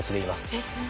えっ！